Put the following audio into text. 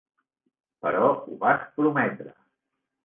Però ho vas prometre!